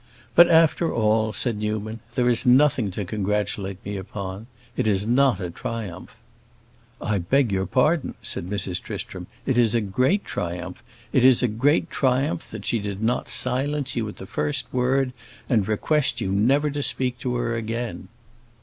"But after all," said Newman, "there is nothing to congratulate me upon. It is not a triumph." "I beg your pardon," said Mrs. Tristram; "it is a great triumph. It is a great triumph that she did not silence you at the first word, and request you never to speak to her again."